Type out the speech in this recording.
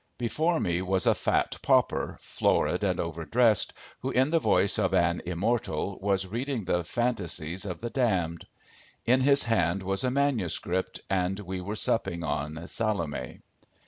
Before me was a fat pauper, florid and over dressed, who, in the voice of an immortal, was reading the fantasies of the damned. In his hand was a manuscript, and we were supping on "Salome."